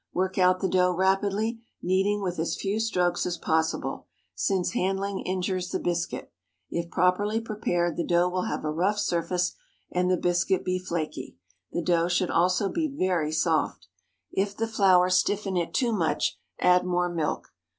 Work out the dough rapidly, kneading with as few strokes as possible, since handling injures the biscuit. If properly prepared the dough will have a rough surface and the biscuit be flaky. The dough should also be very soft. If the flour stiffen it too much, add more milk.